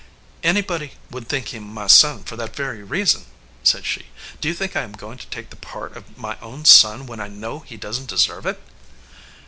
"Anybody would think him my son for that very reason," said she. "Do you think I am going to take the part of my own son when I know he doesn t deserve it?"